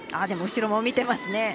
でも後ろも見てますね。